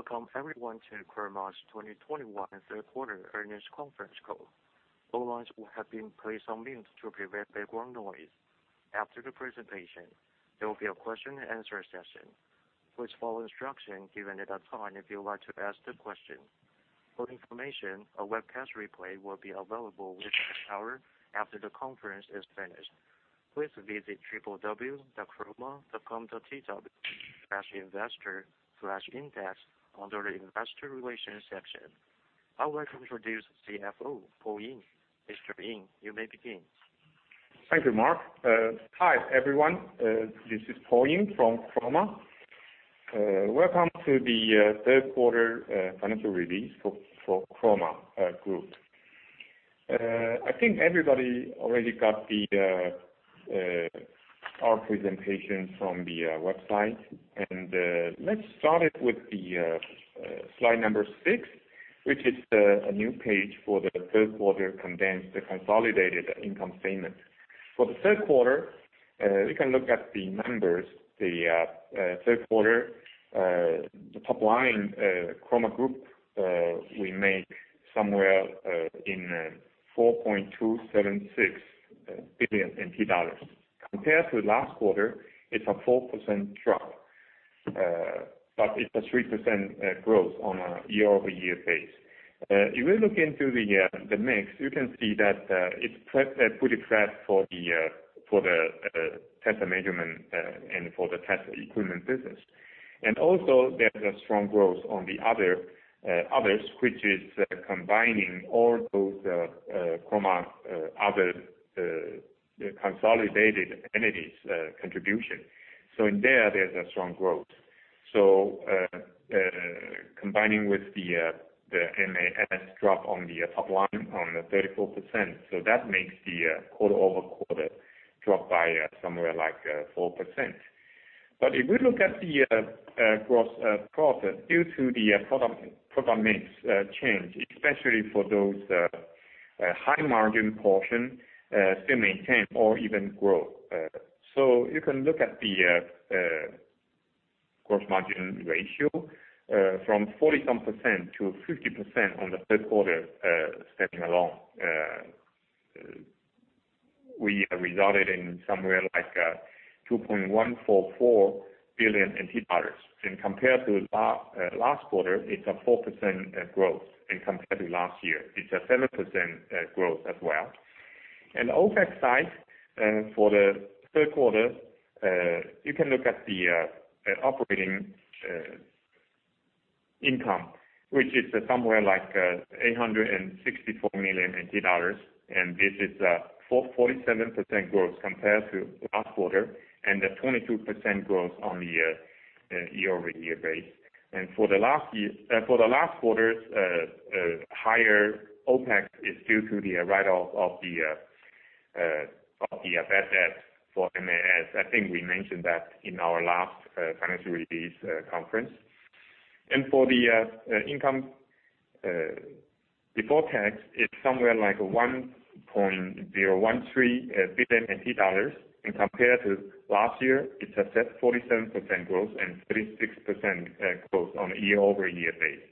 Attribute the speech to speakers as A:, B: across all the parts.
A: Welcome everyone to Chroma's 2021 Third Quarter Earnings Conference Call. All lines will have been placed on mute to prevent background noise. After the presentation, there will be a question-and-answer session. Please follow instruction given at that time if you would like to ask the question. For information, a webcast replay will be available within an hour after the conference is finished. Please visit www.chroma.com.tw/investor/index under the Investor Relations section. I'll now introduce CFO Paul Ying. Mr. Ying, you may begin.
B: Thank you, Mark. Hi, everyone. This is Paul Ying from Chroma. Welcome to the third quarter financial release for Chroma Group. I think everybody already got our presentation from the website. Let's start it with the slide number six, which is a new page for the third quarter condensed consolidated income statement. For the third quarter, we can look at the numbers. The third quarter, the top line, Chroma Group, we make somewhere in 4.276 billion NT dollars. Compared to last quarter, it's a 4% drop. It's a 3% growth on a year-over-year base. If we look into the mix, you can see that it's pretty flat for the test and measurement and for the test equipment business. Also, there's a strong growth on the others, which is combining all those other Chroma consolidated entities contribution. In there's a strong growth. Combining with the MAS drop on the top line of 34%, that makes the quarter-over-quarter drop by somewhere like 4%. If we look at the gross profit due to the product mix change, especially for those high margin portion, still maintain or even grow. You can look at the gross margin ratio from 40%-something to 50% on the third quarter, standing alone. We resulted in somewhere like 2.144 billion NT dollars. Compared to last quarter, it's a 4% growth. Compared to last year, it's a 7% growth as well. On the OpEx side, for the third quarter, you can look at the operating income, which is somewhere like 864 million dollars, and this is a 47% growth compared to last quarter and a 22% growth on the year-over-year base. For the last quarter's higher OpEx is due to the write-off of the bad debt for MAS. I think we mentioned that in our last financial release conference. For the income before tax, it's somewhere like 1.013 billion NT dollars. Compared to last year, it's a 37% growth and 36% growth on a year-over-year basis.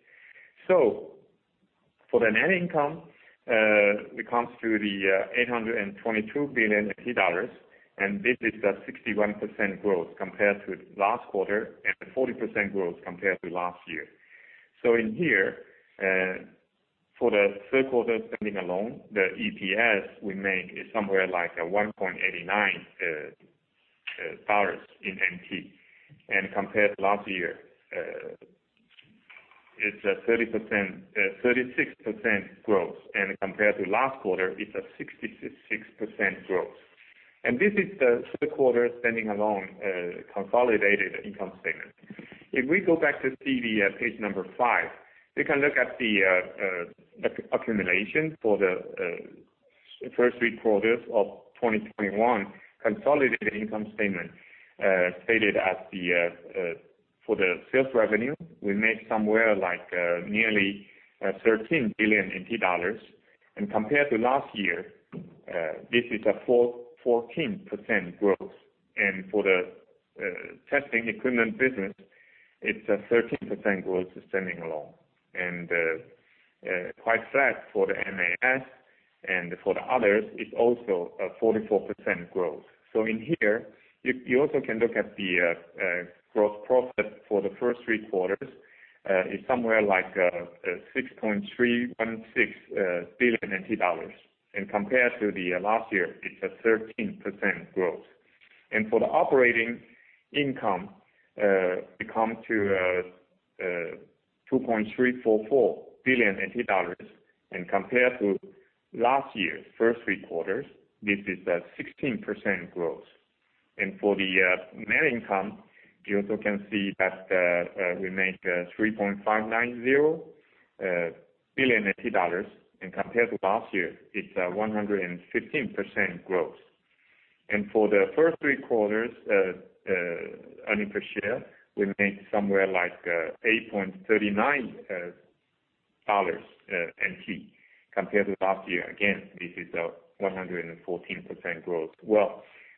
B: For the net income, it comes to the 822 billion dollars, and this is a 61% growth compared to last quarter and 40% growth compared to last year. In here, for the third quarter standing alone, the EPS we make is somewhere like a 1.89 dollars. Compared to last year, it's a 36% growth. Compared to last quarter, it's a 66% growth. This is the third quarter standing alone consolidated income statement. If we go back to see the page number 5, we can look at the accumulation for the first three quarters of 2021 consolidated income statement, stated as the for the sales revenue, we made somewhere like nearly 13 billion NT dollars. Compared to last year, this is a 414% growth. For the testing equipment business, it's a 13% growth standing alone. Quite flat for the MAS and for the others, it's also a 44% growth. In here, you also can look at the growth process for the first three quarters. It's somewhere like 6.316 billion NT dollars. Compared to the last year, it's a 13% growth. For the operating income, it come to 2.344 billion NT dollars. Compared to last year, first three quarters, this is a 16% growth. For the net income, you also can see that we make 3.590 billion dollars. Compared to last year, it's a 115% growth. For the first three quarters, earnings per share, we make somewhere like 8.39 NT dollars, compared to last year. Again, this is a 114% growth.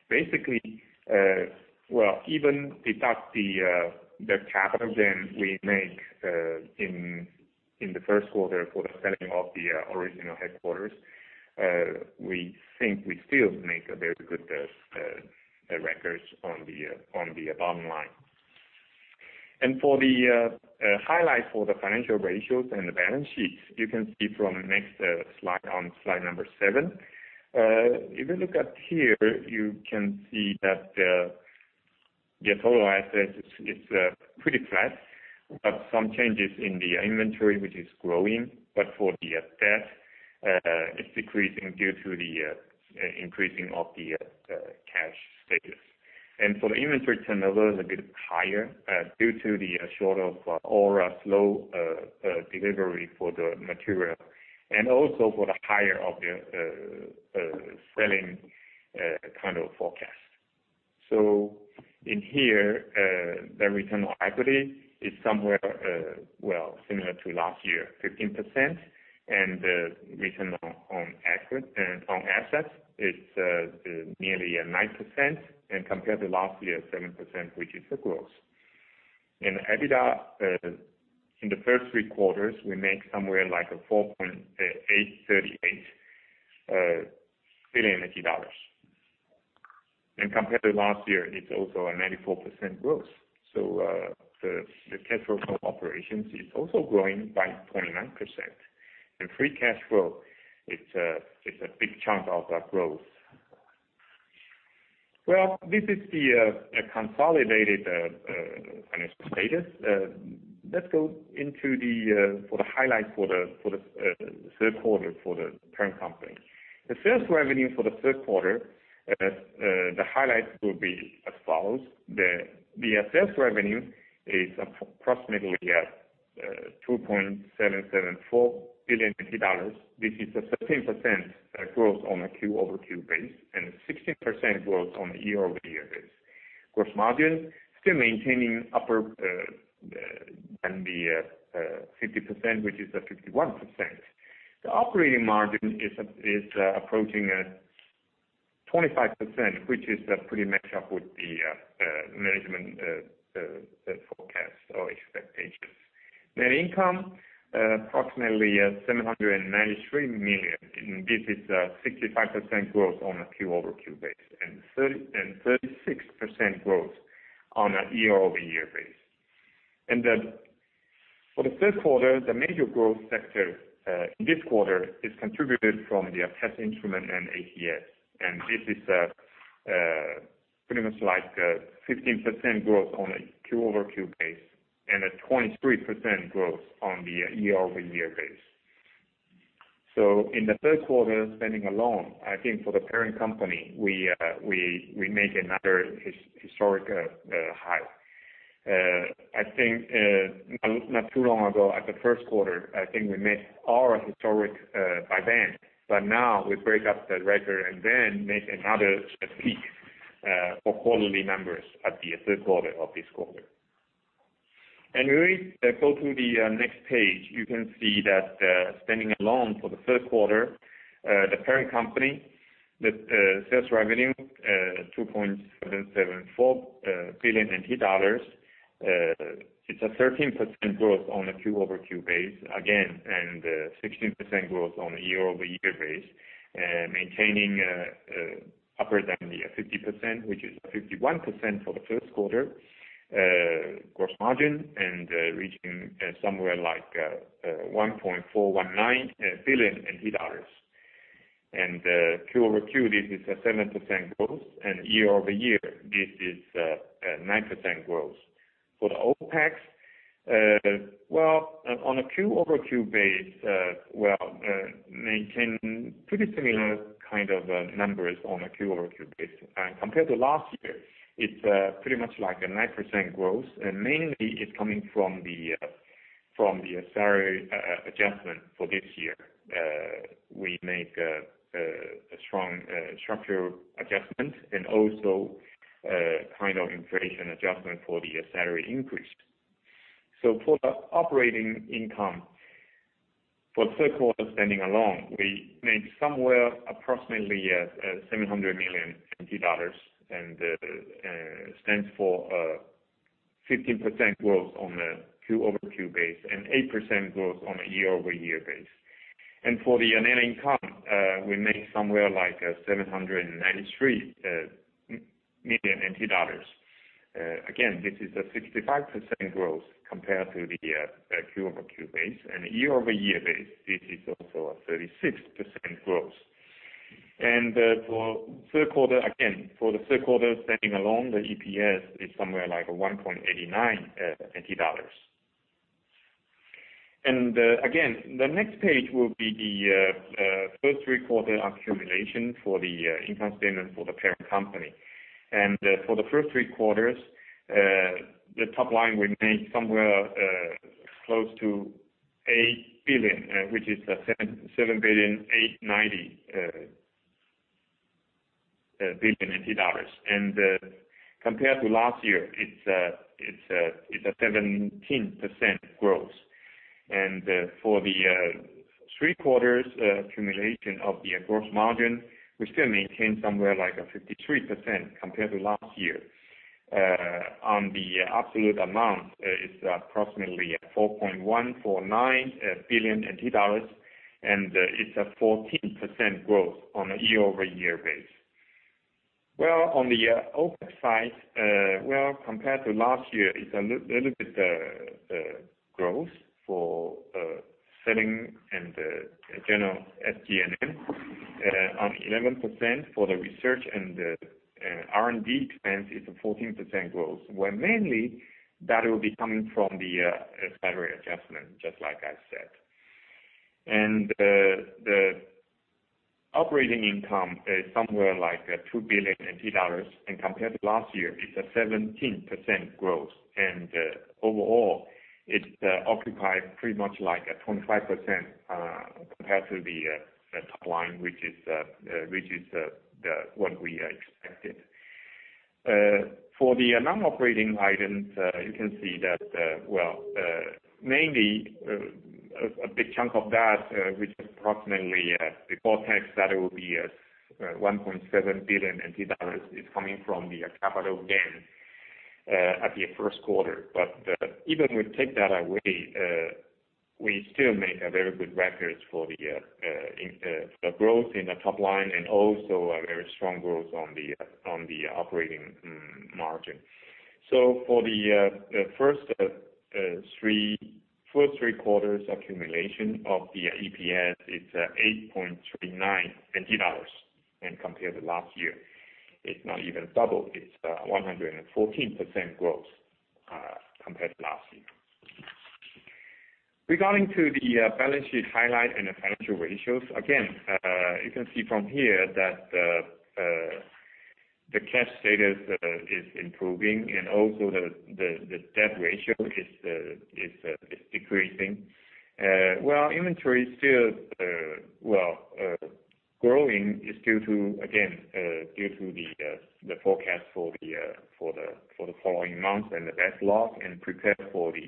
B: Basically, even without the capital gain we make in the first quarter for the selling of the original headquarters, we think we still make a very good record on the bottom line. For the highlights for the financial ratios and the balance sheets, you can see from the next slide on slide number seven. If you look here, you can see that the total assets is pretty flat, but some changes in the inventory, which is growing, but for the debt, it's decreasing due to the increasing of the cash status. For the inventory turnover is a bit higher due to the shortage or slow delivery for the material. Also for the higher end of the selling kind of forecast. In here, the return on equity is somewhere similar to last year, 15%. Return on assets is nearly at 9% and compared to last year, 7%, which is a growth. In EBITDA in the first three quarters, we make somewhere like 4.838 billion dollars. Compared to last year, it's also a 94% growth. The cash flow from operations is also growing by 29%. The free cash flow, it's a big chunk of that growth. This is the consolidated financial status. Let's go into the highlights for the third quarter for the parent company. The sales revenue for the third quarter, the highlights will be as follows. The sales revenue is approximately 2.774 billion dollars. This is a 13% growth on a quarter-over-quarter basis, and 16% growth on a year-over-year basis. Gross margin still maintaining upper than the 50%, which is a 51%. The operating margin is approaching 25%, which is pretty much up with the management forecast or expectations. Net income approximately 793 million. This is a 65% growth on a quarter-over-quarter base and 36% growth on a year-over-year base. For the third quarter, the major growth sector this quarter is contributed from the Test Instruments and ATS. This is pretty much like 15% growth on a quarter-over-quarter basis and a 23% growth on a year-over-year basis. In the third quarter, standing alone, I think for the parent company, we make another historic high. I think not too long ago, at the first quarter, I think we made our historic high by then, but now we break the record and then make another peak for quarterly numbers at the third quarter of this quarter. We go to the next page. You can see that, standing alone for the third quarter, the parent company, the sales revenue 2.774 billion NT dollars. It's a 13% growth on a quarter-over-quarter basis again, and 16% growth on a year-over-year basis, maintaining higher than the 50%, which is 51% for the first quarter gross margin and reaching somewhere like 1.419 billion NT dollars. Quarter-over-quarter, this is a 7% growth, and year-over-year, this is 9% growth. For the OpEx, on a quarter-over-quarte basis, maintain pretty similar kind of numbers on a quarter-over-quarter basis. Compared to last year, it's pretty much like a 9% growth, and mainly it's coming from the salary adjustment for this year. We make a strong structural adjustment and also kind of inflation adjustment for the salary increase. For the operating income for third quarter, standing alone, we make somewhere approximately 700 million NT dollars and stands for 15% growth on a quarter-over-quarter basis and 8% growth on a year-over-year basis. For the annual income, we make somewhere like TWD 793 million. Again, this is a 65% growth compared to the quarter-over-quarter basis and year-over-year basis, this is also a 36% growth. For the third quarter, standing alone, the EPS is somewhere like 1.89 NT dollars. Again, the next page will be the first three quarter accumulation for the income statement for the parent company. For the first three quarters, the top line we made somewhere close to 8 billion, which is 7.789 billion. Compared to last year, it's 17% growth. For the three-quarter accumulation of the gross margin, we still maintain somewhere like a 53% compared to last year. On the absolute amount, it's approximately 4.149 billion NT dollars, and it's a 14% growth on a year-over-year basis. Well, on the OpEx side, compared to last year, it's a little bit growth for selling and general SG&A. On 11% for the research and the R&D expense, it's a 14% growth, where mainly that will be coming from the salary adjustment, just like I said. The operating income is somewhere like 2 billion dollars, and compared to last year, it's a 17% growth. Overall, it occupies pretty much like a 25% compared to the top line, which is the one we expected. For the non-operating items, you can see that mainly a big chunk of that, which is approximately before tax that it will be 1.7 billion NT dollars, is coming from the capital gain at the first quarter. Even if we take that away, we still make a very good record for the growth in the top line and also a very strong growth on the operating margin. For the first three quarters accumulation of the EPS, it's 8.39. Compared to last year, it's not even double. It's 114% growth compared to last year. Regarding the balance sheet highlight and the financial ratios, again, you can see from here that the cash status is improving and also the debt ratio is decreasing. Inventory is still growing due to the forecast for the following months and the backlog and prepare for the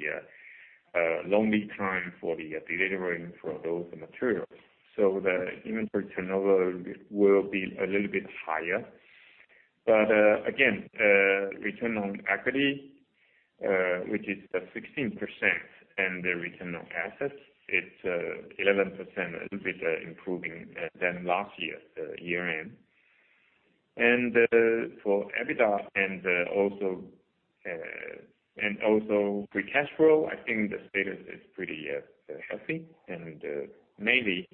B: long lead time for the delivery of those materials. The inventory turnover will be a little bit higher. Return on equity, which is at 16%, and the return on assets, it's 11%, a little bit improving than last year year-end. For EBITDA and also free cash flow, I think the status is pretty healthy and mainly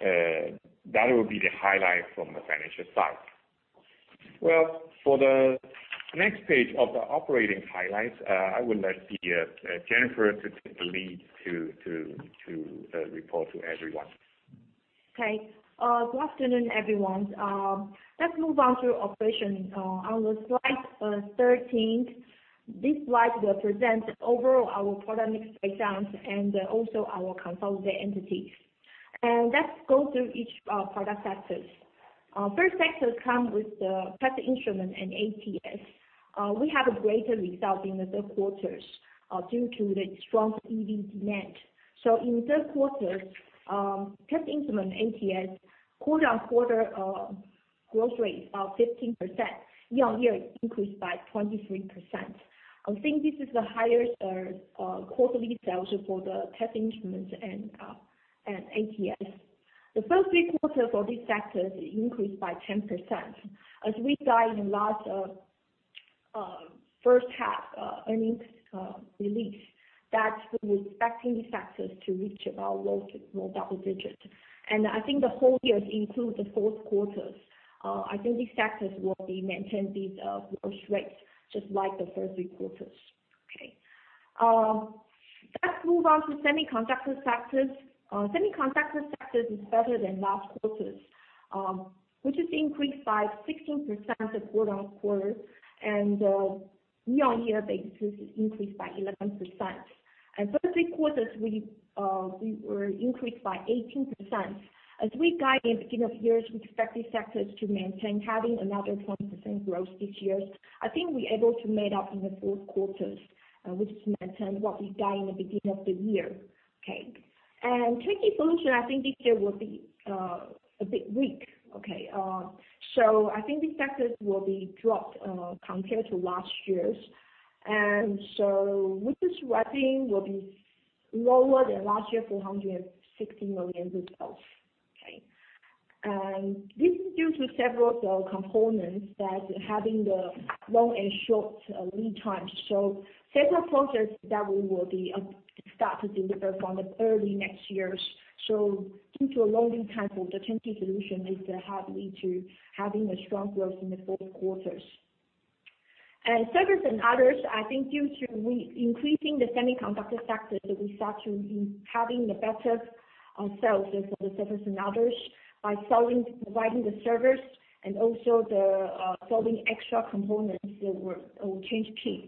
B: that will be the highlight from the financial side. Well, for the next page of the operating highlights, I will let Jennifer take the lead to report to everyone.
C: Okay. Good afternoon, everyone. Let's move on to operations. On slide 13, this slide will present overall our product mix breakdown and also our consolidated entities. Let's go through each product sector. First sector comes with the Test Instruments and ATS. We have a great result in the third quarter due to the strong EV demand. In third quarter, Test Instruments and ATS quarter-on-quarter growth rate is about 15%. Year-on-year increased by 23%. I think this is the highest quarterly sales for the Test Instruments and ATS. The first three quarters for this sector increased by 10%. As we guide in last first half earnings release, that we're expecting this sector to reach about low double digits. I think the whole year includes the fourth quarter. I think this sectors will be maintained these growth rates just like the first three quarters. Okay. Let's move on to Semiconductor sector. Semiconductor sector is better than last quarter, which is increased by 16% quarter-on-quarter and year-on-year basis increased by 11%. First three quarters, we were increased by 18%. As we guide in beginning of year, we expect this sectors to maintain having another 20% growth this year. I think we're able to made up in the fourth quarter, which is maintained what we guide in the beginning of the year. Okay. Turn-key Solutions, I think this year will be a bit weak. Okay. I think this sector will be dropped compared to last year's. Revenue will be lower than last year, 460 million. This is due to several components having the long and short lead times. Several projects that we will start to deliver from early next year. Due to a long lead time for the Turnkey Solutions, it is hard to have a strong growth in the fourth quarter. Service and Others, I think due to increasing the Semiconductor sector, we start to have the better sales for the service and others by selling, providing the service and also selling extra components that were or spare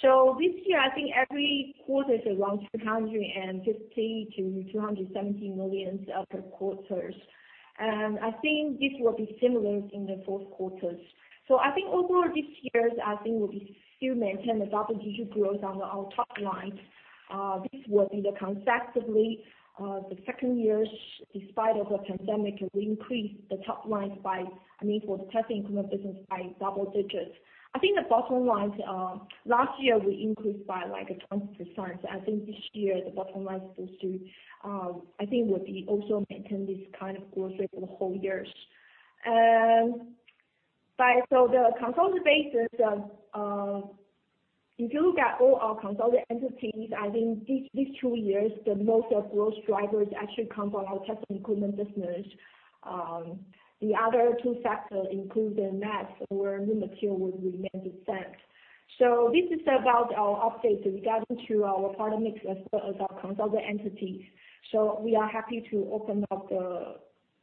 C: parts. This year, I think every quarter is around 250 million-270 million for the quarter. I think this will be similar in the fourth quarter. I think overall this year, I think we'll be still maintain the double-digit growth on our top line. This will be consecutively the second year despite the pandemic, we increase the top line by, I mean, for the Testing Equipment business by double digits. I think the bottom line last year, we increased by like 20%. I think this year, the bottom line is supposed to, I think will be also maintain this kind of growth rate for the whole year. The consolidated basis of, if you look at all our consolidated entities, I think these two years, the most of growth drivers actually come from our testing equipment business. The other two factors include the MAS where new material will remain the same. This is about our updates regarding to our product mix as our consolidated entities. We are happy to open up the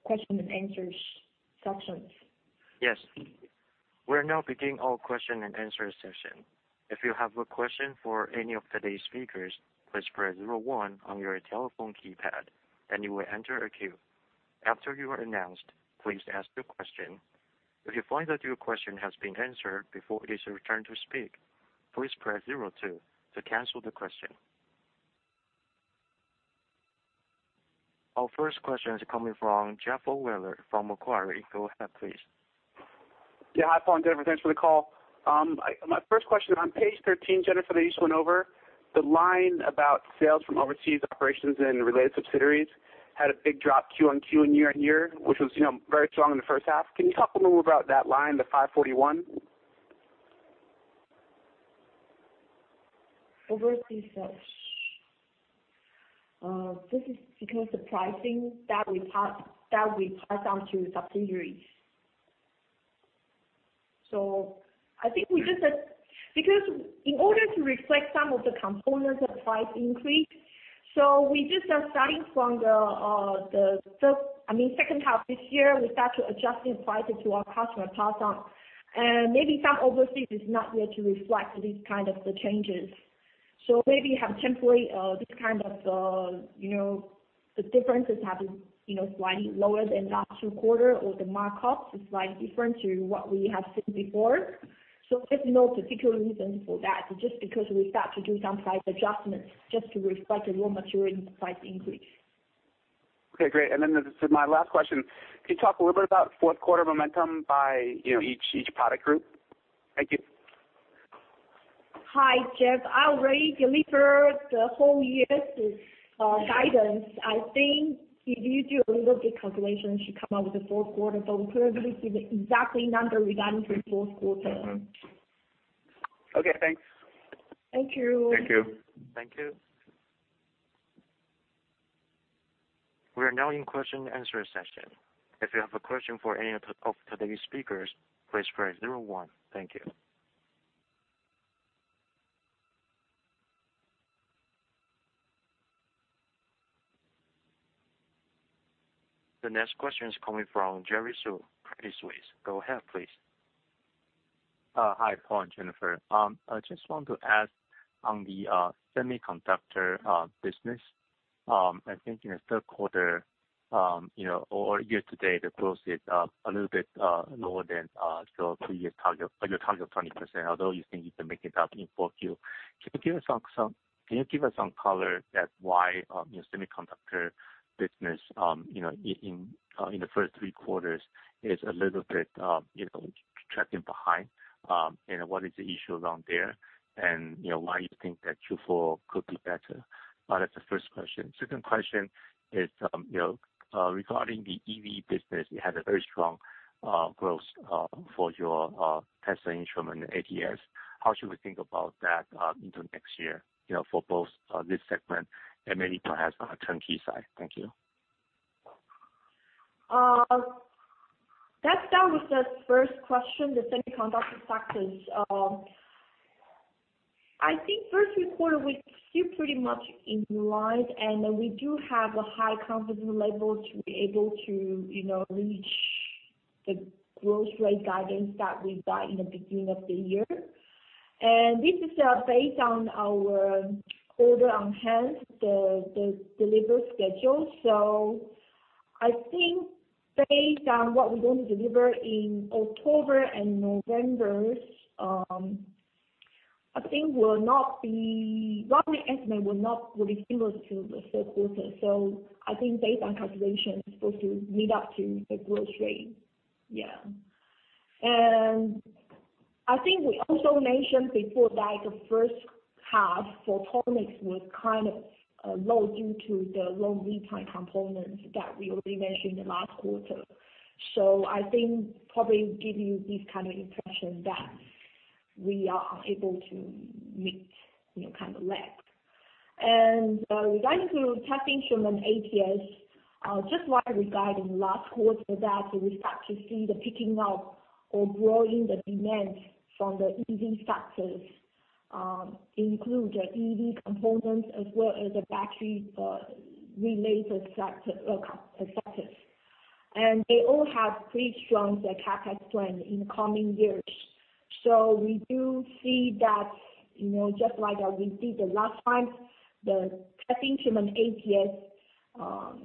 C: question-and-answer session.
A: Yes. We're now beginning our question-and-answer session. If you have a question for any of today's speakers, please press zero one on your telephone keypad, and you will enter a queue. After you are announced, please ask the question. If you find that your question has been answered before it is your turn to speak, please press zero two to cancel the question. Our first question is coming from Jeffrey Ohlweiler from Macquarie. Go ahead, please.
D: Yeah. Hi, Paul and Jennifer. Thanks for the call. My first question, on page 13, Jennifer, that you just went over, the line about sales from overseas operations and related subsidiaries had a big drop quarter-on-quarter and year-on-year, which was, you know, very strong in the first half. Can you talk a little bit about that line, the 541 million?
C: Overseas sales. This is because the pricing that we pass on to subsidiaries. I think we just said, because in order to reflect some of the components of price increase, so we just are starting from the second half this year, we start to adjusting prices to our customer pass on. Maybe some overseas is not yet to reflect these kind of the changes. Maybe have temporary, this kind of, you know, the differences have been, you know, slightly lower than last quarter, or the markups is slightly different to what we have seen before. There's no particular reason for that, just because we start to do some price adjustments just to reflect the raw material price increase.
D: Okay, great. This is my last question. Can you talk a little bit about fourth quarter momentum by, you know, each product group? Thank you.
C: Hi, Jeff. I already delivered the whole year's guidance. I think if you do a little bit calculation, should come out with the fourth quarter. We couldn't really give you the exact number regarding the fourth quarter.
D: Okay. Thanks.
C: Thank you.
D: Thank you.
A: Thank you. We are now in question-and-answer session. If you have a question for any of today's speakers, please press zero one. Thank you. The next question is coming from Jerry Su, Credit Suisse. Go ahead, please.
E: Hi, Paul and Jennifer. I just want to ask on the Semiconductor business. I think in the third quarter, you know, or year to date, the growth is a little bit lower than your full year target or your target of 20%, although you think you can make it up in Q4. Can you give us some color on why your Semiconductor business, you know, in the first three quarters is a little bit, you know, tracking behind, and what is the issue around there? You know, why you think that Q4 could be better? That's the first question. Second question is, you know, regarding the EV business, you had a very strong growth for your Test Instruments and ATS. How should we think about that, into next year, you know, for both, this segment and maybe perhaps on the Turnkey side? Thank you.
C: Let's start with the first question, the Semiconductor sector. I think first quarter, we're still pretty much in line, and we do have a high confidence level to be able to, you know, reach the growth rate guidance that we got in the beginning of the year. This is based on our order on hand, the delivery schedule. I think based on what we're going to deliver in October and November, roughly estimate, it will be similar to the third quarter. I think based on calculation, it's supposed to meet up to the growth rate. I think we also mentioned before that the first half photonics was kind of low due to the long lead time components that we already mentioned in the last quarter. I think probably give you this kind of impression that we are able to meet, you know, kind of backlog. Regarding the Test instruments and ATS, just like regarding last quarter that we start to see the picking up or growing the demand from the EV sector including the EV components as well as the battery related sectors. They all have pretty strong CapEx plan in the coming years. We do see that, you know, just like as we did the last time, the Test Instruments and ATS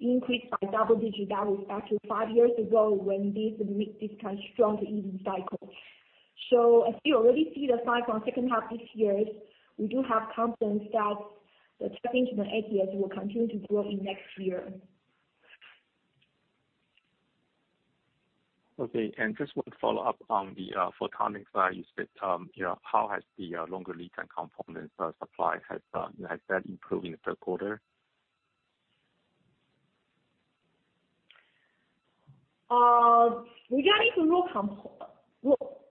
C: increased by double digits that was up to five years ago when we met this kind of strong EV cycle. As you already see the signs from second half this year, we do have confidence that the Test Instruments and ATS will continue to grow in next year.
E: Okay. Just one follow-up on the Photonics side. You said, you know, how has the longer lead time components supply has that improved in the third quarter?
C: Regarding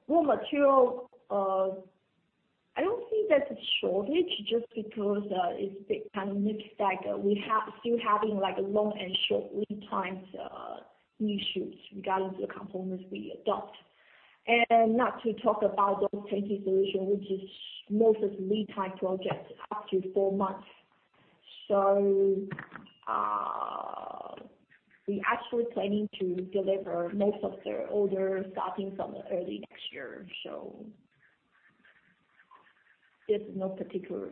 C: the raw material, I don't think that's a shortage just because it's kind of mixed bag. We're still having like long and short lead times issues regarding the components we adopt. Not to talk about those Turnkey Solutions, which is most of lead time projects up to four months. We're actually planning to deliver most of the orders starting from early next year. There's no particular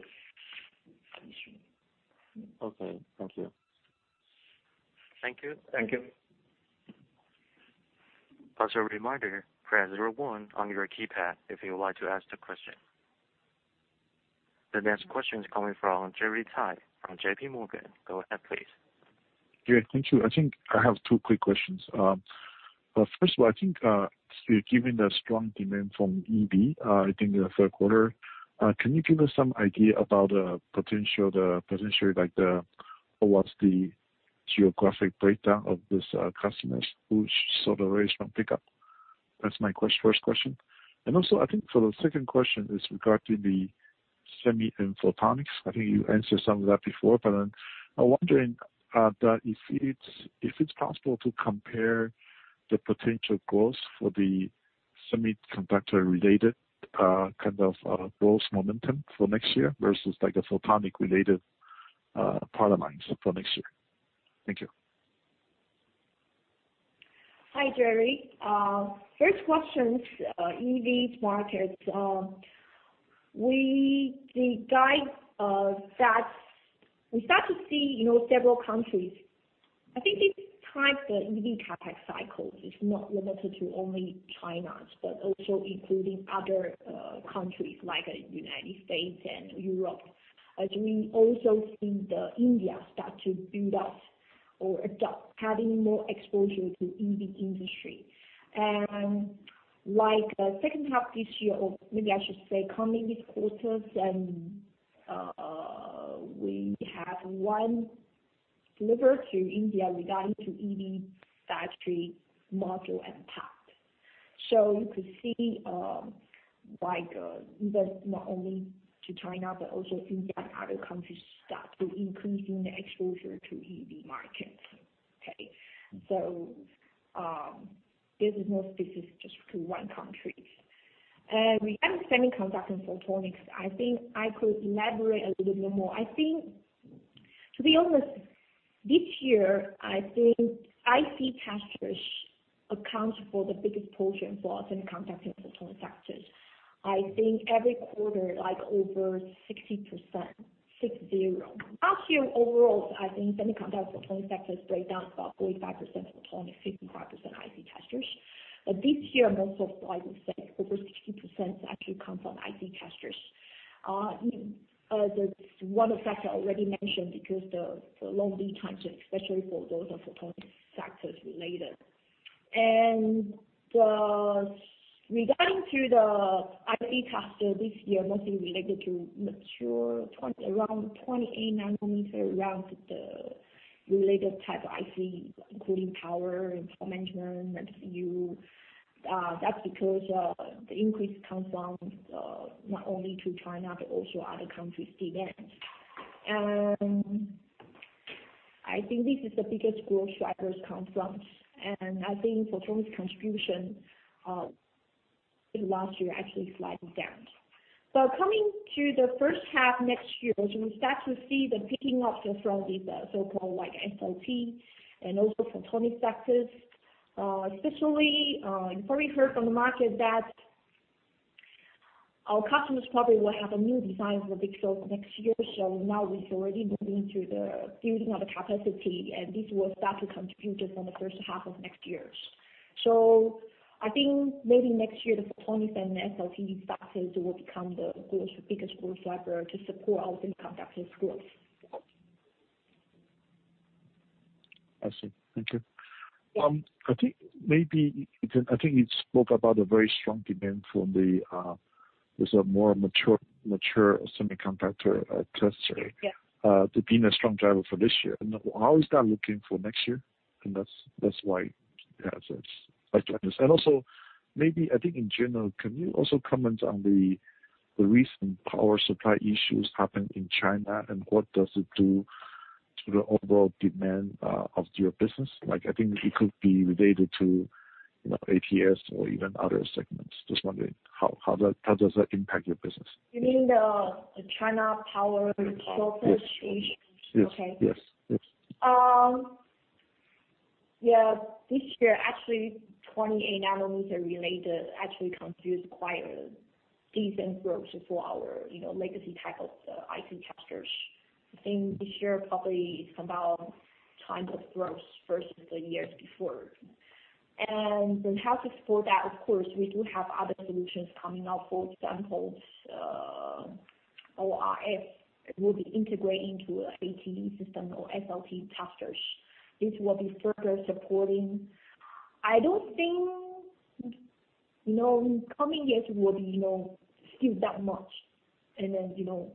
C: issue.
E: Okay. Thank you.
A: Thank you. Thank you. As a reminder, press zero one on your keypad if you would like to ask the question. The next question is coming from Gerry Tai from JPMorgan. Go ahead, please.
F: Yeah, thank you. I think I have two quick questions. First of all, I think, given the strong demand from EV, I think in the third quarter, can you give us some idea about the potential, like the, what's the geographic breakdown of these customers who saw the recent pickup? That's my first question. Also, I think for the second question is regarding the Semiconductor and Photonics. I think you answered some of that before, but I'm wondering, if it's possible to compare the potential growth for the Semiconductor-related, kind of, growth momentum for next year versus like a Photonics-related, product lines for next year. Thank you.
C: Hi, Gerry. First question, EV markets. The guide that we start to see, you know, several countries. I think this time the EV CapEx cycles is not limited to only China, but also including other countries like United States and Europe, as we also see India start to build up or adopt, having more exposure to EV industry. Like, second half this year, or maybe I should say the coming quarters, we have one delivery to India regarding EV battery module and pack. You could see, like, investment not only to China but also India and other countries starting to increase the exposure to EV markets. Okay. This is not specific just to one country. Regarding Semiconductor and Photonics, I think I could elaborate a little bit more. I think to be honest, this year, I think IC testers account for the biggest portion for Semiconductor and Photonics sectors. I think every quarter, like over 60%. Last year overall, I think Semiconductor and Photonics sectors break down about 45% Photonics, 55% IC testers. This year, most of I would say over 60% actually comes from IC testers. One of the factors I already mentioned because the long lead times, especially for those of Photonics sector related. Regarding the IC tester this year, mostly related to mature around 28 nm, around the related type IC, including power and power management IC. That's because the increase comes from not only to China, but also other countries demand. I think this is the biggest growth drivers comes from. I think Photonics contribution last year actually sliding down. Coming to the first half next year, as we start to see the picking up from the so-called like SLT and also Photonics sector, especially, you probably heard from the market that our customers probably will have a new design for big socket next year. Now it's already moving to the building of the capacity, and this will start to contribute from the first half of next year. I think maybe next year, the Photonics and SLT sectors will become the biggest growth driver to support our Semiconductor growth.
F: I see. Thank you.
C: Yeah.
F: I think maybe, I think you spoke about a very strong demand from the more mature semiconductor tester-
C: Yeah.
F: ...To being a strong driver for this year. How is that looking for next year? That's why I ask this. I'd like to understand. Also, maybe I think in general, can you also comment on the recent power supply issues happened in China and what does it do to the overall demand of your business. Like I think it could be related to, you know, ATS or even other segments. Just wondering how does that impact your business?
C: You mean the China power shortage issue?
F: Yes.
C: Okay.
F: Yes. Yes, yes.
C: This year, actually 28 nm related actually contributes quite a decent growth for our, you know, legacy type of IC testers. I think this year probably is about twice the growth versus the years before. How to support that, of course, we do have other solutions coming out. For example, ORS will be integrating into ATE system or SLT testers. This will be further supporting. I don't think, you know, in coming years will be, you know, still that much, and then, you know,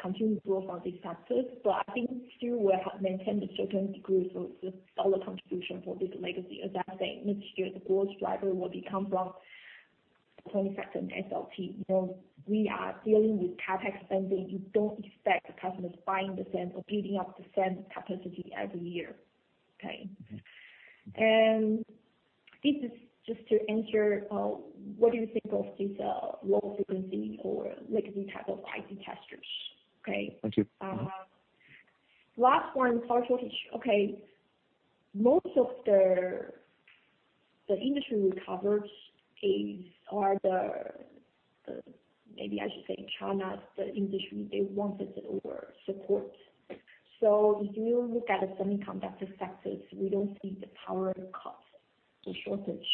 C: continue to grow from these testers. I think still we have maintained a certain degree of solid contribution for this legacy. As I said, next year, the growth driver will come from Photonics sector and SLT. You know, we are dealing with CapEx funding. You don't expect the customers buying the same or building up the same capacity every year. Okay?
F: Okay.
C: This is just to answer, what do you think of this low-frequency or legacy type of IC testers? Okay.
F: Thank you.
C: Last one, power shortage. Okay. Most of the industry we covered are... Maybe I should say China, the industry, they want this or support. If you look at the Semiconductor sector, we don't see the power cut, the shortage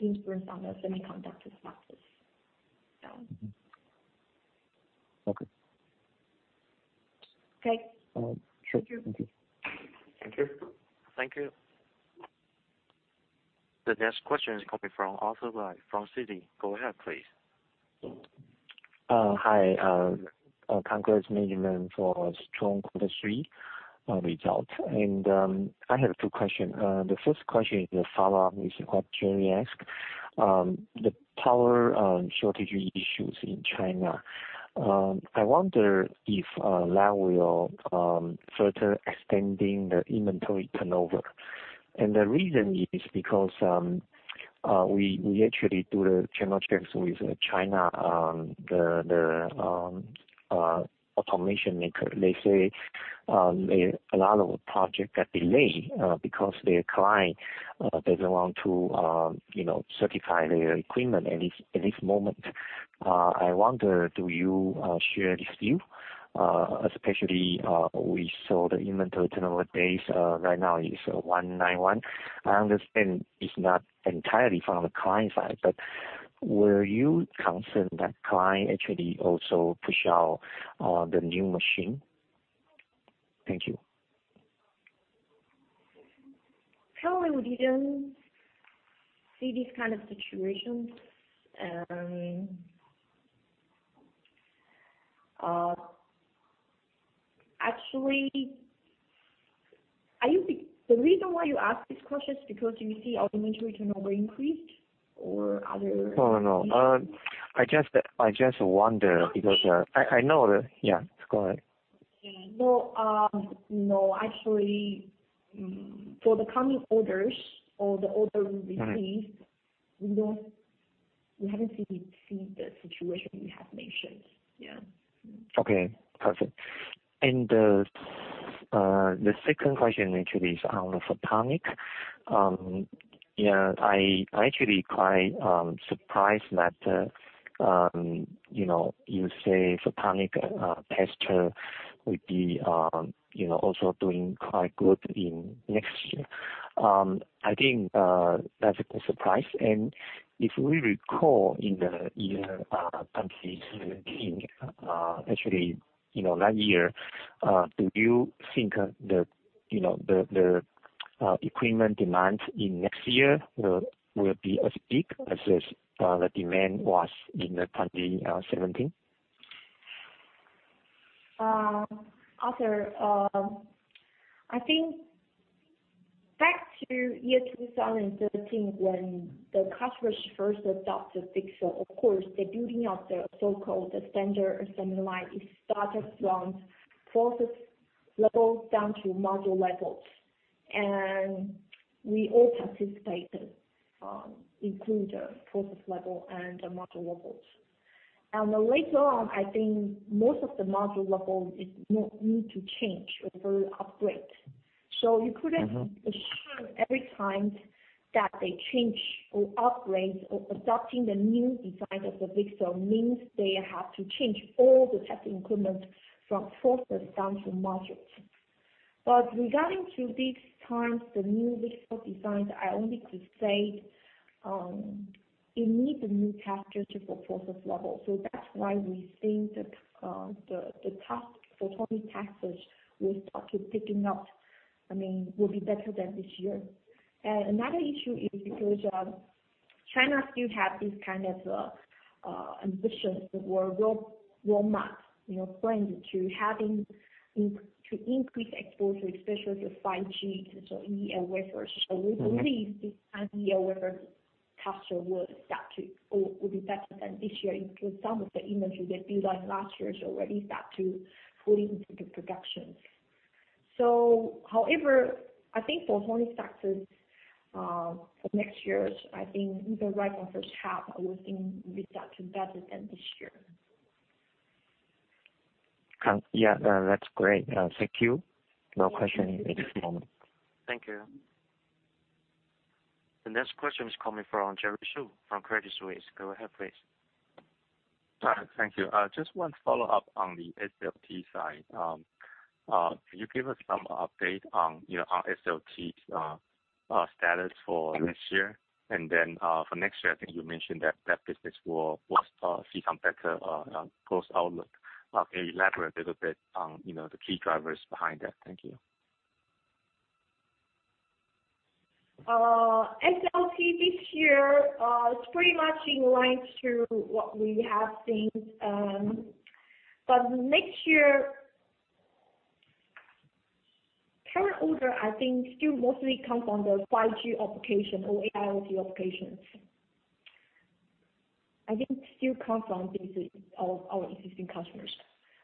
C: influence on the Semiconductor sector.
F: Mm-hmm. Okay.
C: Okay.
F: Sure.
C: Thank you.
F: Thank you.
A: Thank you. The next question is coming from Arthur Lai from Citi. Go ahead, please.
G: Hi. Congrats management for strong quarter three result. I have two questions. The first question is a follow-up with what Gerry asked, the power shortage issues in China. I wonder if that will further extending the inventory turnover. The reason is because we actually do the channel checks with China, the automation maker. They say a lot of project got delayed because their client doesn't want to you know certify their equipment at this moment. I wonder do you share this view? Especially we saw the inventory turnover days right now is 191. I understand it's not entirely from the client side, but were you concerned that client actually also push out the new machine? Thank you.
C: Currently, we didn't see this kind of situation. Actually, the reason why you ask this question is because you see our inventory turnover increased or other issue?
G: No, no. I just wonder because I know that. Yeah, go ahead.
C: Yeah. No, actually, for the coming orders or the order we received.
G: All right.
C: We don't, we haven't seen the situation you have mentioned. Yeah.
G: Okay, perfect. The second question actually is on the photonics. Yeah, I am actually quite surprised that, you know, you say photonics tester would be, you know, also doing quite good in next year. I think that's a good surprise. If we recall in the year 2017, actually, you know, that year, do you think the, you know, the equipment demands in next year will be as big as the demand was in the 2017?
C: Arthur, I think back to year 2013 when the customers first adopted VCSEL, of course, the building out the so-called standard assembly line, it started from process levels down to module levels. We all participated, including the process level and the module levels. Later on, I think most of the module level is no need to change or further upgrade.
G: Mm-hmm.
C: You couldn't assume every time that they change or upgrade or adopting the new design of the VCSEL means they have to change all the testing equipment from process down to modules. Regarding these times, the new VCSEL designs, I only could say, you need the new testers for process level. That's why we think the photonic testers will start to picking up. I mean, will be better than this year. Another issue is because China still have this kind of ambitious roadmap, you know, plan to increase exposure, especially for 5G, so in the infrastructure.
G: Mm-hmm.
C: We believe this kind of year where customer will be better than this year because some of the inventory they built up last year is already starting to fully go into production. However, I think for overall factors, for next year, I think the outlook for Taiwan will start to be better than this year.
G: Yeah. That's great. Thank you. No question at this moment.
A: Thank you. The next question is coming from Jerry Su from Credit Suisse. Go ahead, please.
E: Hi. Thank you. Just one follow-up on the SLT side. Can you give us some update on, you know, on SLT's status for this year? For next year, I think you mentioned that business will see some better growth outlook. Can you elaborate a little bit on, you know, the key drivers behind that? Thank you.
C: SLT this year is pretty much in line with what we have seen. Next year, current order I think still mostly comes from the 5G application or AIoT applications. I think still comes from business of our existing customers,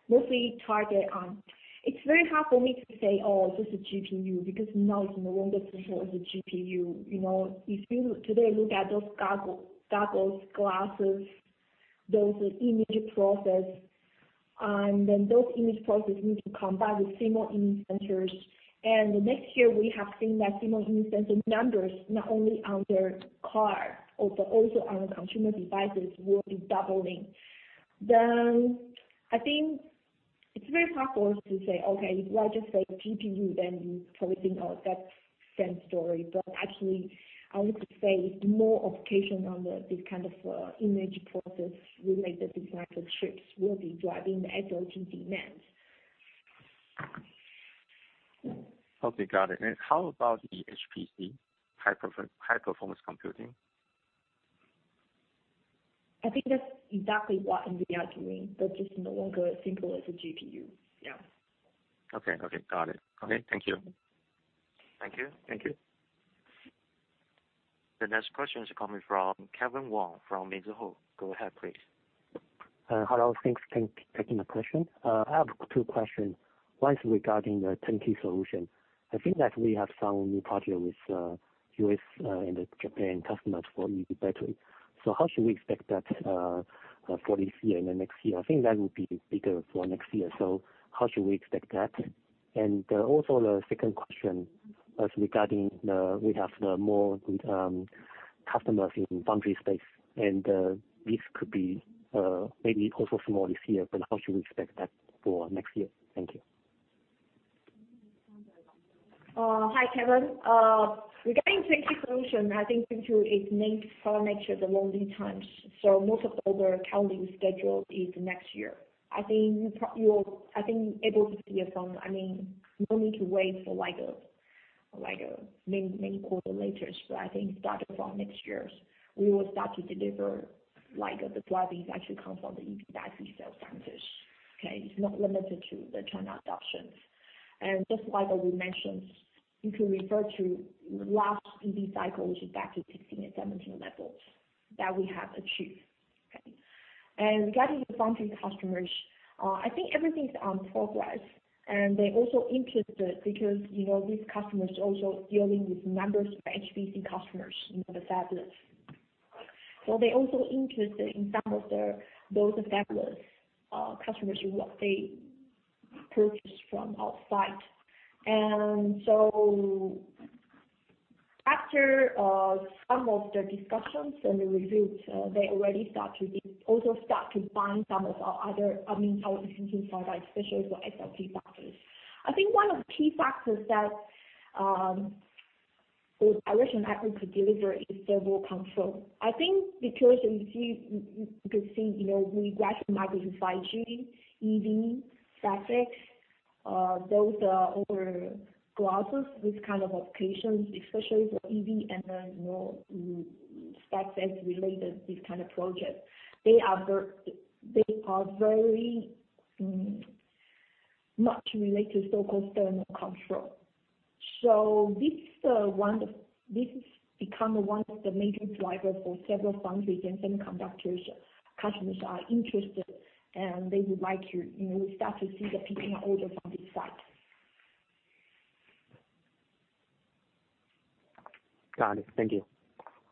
C: mostly target on. It's very hard for me to say, "Oh, this is GPU," because now it's no longer simply a GPU. If you look today at those Google glasses, those image processors, and then those image processors need to combine with silicon image sensors. Next year we have seen that silicon image sensor numbers, not only on their car, but also on consumer devices will be doubling. I think it's very hard for us to say, okay, if I just say GPU, then you probably think, oh, that's same story. Actually, I want to say it's more application on the this kind of image processing related design of chips will be driving the SLT demand.
E: Okay, got it. How about the HPC, high performance computing?
C: I think that's exactly what NVIDIA doing, but just no longer as simple as a GPU. Yeah.
E: Okay. Got it. Okay. Thank you.
A: Thank you. Thank you. The next question is coming from Kevin Wang from Mizuho. Go ahead please.
H: Hello. Thanks for taking the question. I have two questions. One is regarding the turn-key solution. I think that we have some new project with U.S. and Japan customers for EV battery. How should we expect that for this year and the next year? I think that will be bigger for next year. How should we expect that? The second question is regarding that we have more customers in foundry space, and this could be maybe also more this year. How should we expect that for next year? Thank you.
C: Hi, Kevin. Regarding turn-key solution, I think turn-key is meant for next year the loading times. Most of the order counting schedule is next year. I think you'll, I think able to see some, I mean, no need to wait for like a many quarters later. I think starting from next year, we will start to deliver like the driving that should come from the EV battery cell testers. Okay? It's not limited to the China adoptions. Just like what we mentioned, you can refer to last EV cycle, which is back to 2016 and 2017 levels that we have achieved. Okay? Regarding the foundry customers, I think everything's in progress, and they're also interested because, you know, these customers also dealing with numbers for HPC customers, you know, the fabless. They are also interested in some of their, those fabless customers who, what they purchase from our side. After some of the discussions and the reviews, they already also start to buy in some of our other, I mean, I was thinking for like, especially for SLT sector. I think one of the key factors that I wish and I hope to deliver is thermal control. I think because if you could see, you know, we watch market for 5G, EV, fabless, those are all cross with kind of applications, especially for EV and then more fabless related, these kind of projects. They are very not related to so-called thermal control. This one of... This has become one of the major drivers for several foundry and semiconductor customers. They are interested, and they would like to, you know, start to see the picking order from this side.
H: Got it. Thank you.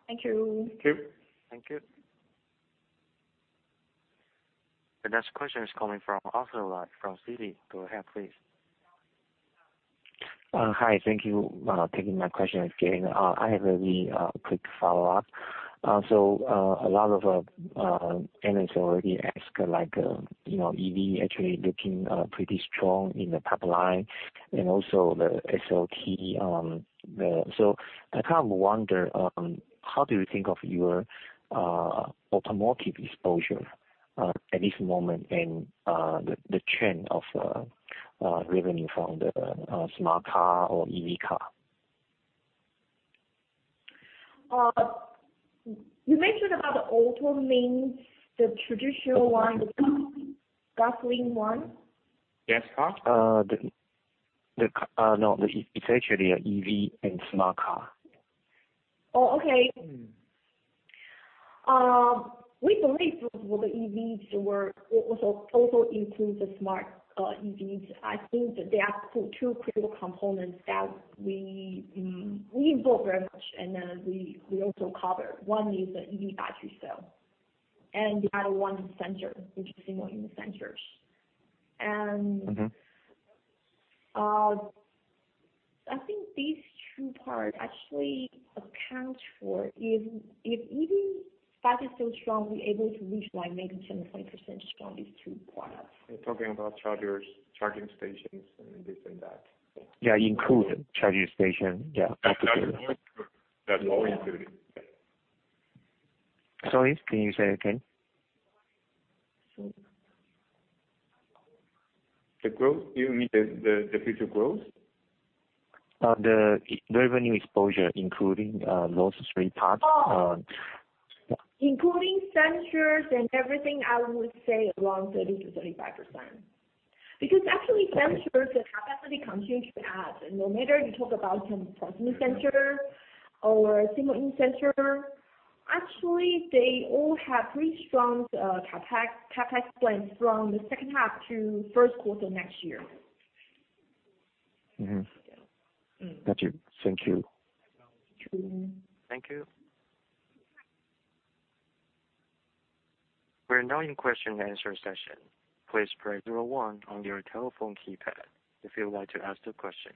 C: Thank you.
A: Thank you. Thank you. The next question is coming from Arthur Lai from Citi. Go ahead please.
G: Hi. Thank you for taking my question again. I have a really quick follow-up. A lot of analysts already ask like, you know, EV actually looking pretty strong in the pipeline and also the SLT. I kind of wonder how do you think of your automotive exposure at this moment and the trend of revenue from the smart car or EV car?
C: You mentioned about the auto means the traditional one, the gasoline one?
G: Yes. It's actually an EV and smart car.
C: Oh, okay. We believe those were the EVs also includes the smart EVs. I think that there are two critical components that we involve very much, and then we also cover. One is the EV battery cell, and the other one is sensor, which is silicon in the sensors.
G: Mm-hmm.
C: I think these two part actually account for if EV battery is still strong, we're able to reach like maybe 10%-20% from these two products.
B: We're talking about chargers, charging stations, and this and that, so.
G: Yeah, include charging station, yeah, absolutely.
B: That's always good. Yeah.
G: Sorry, can you say again?
B: The growth? You mean the future growth?
G: The revenue exposure, including those three parts.
C: Including sensors and everything, I would say around 30%-35%. Because actually sensors, the capacity continues to add. No matter you talk about some proximity sensor or silicon sensor, actually they all have pretty strong CapEx plans from the second half to first quarter next year.
G: Mm-hmm. So, mm. Got you. Thank you.
C: Sure.
A: Thank you. We're now in question-and-answer session. Please press zero one on your telephone keypad if you would like to ask a question.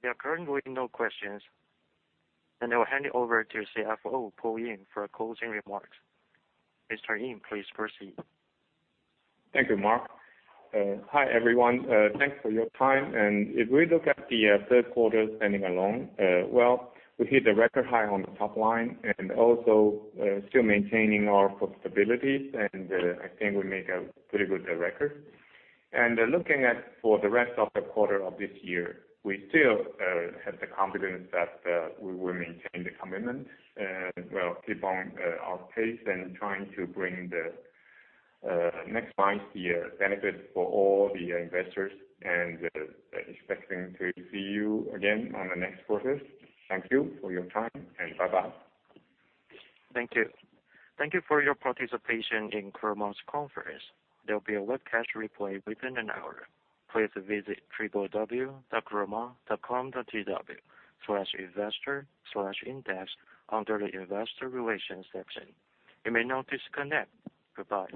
A: There are currently no questions, and I will hand it over to CFO, Paul Ying, for closing remarks. Mr. Ying, please proceed.
B: Thank you, Mark. Hi, everyone. Thanks for your time. If we look at the third quarter standing alone, we hit a record high on the top line and also still maintaining our profitability. I think we make a pretty good record. Looking at for the rest of the quarter of this year, we still have the confidence that we will maintain the commitment, keep on our pace and trying to bring the next five year benefit for all the investors and expecting to see you again on the next quarters. Thank you for your time and bye-bye.
A: Thank you. Thank you for your participation in Chroma's conference. There'll be a webcast replay within an hour. Please visit www.chroma.com.tw/investor/in-depth under the Investor Relations section. You may now disconnect. Goodbye.